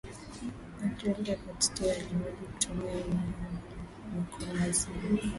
Padrii Edward stear aliweza kulitumia eneo hilo la mkunazini